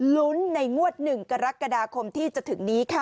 ลุ้นในงวด๑กรกฎาคมที่จะถึงนี้ค่ะ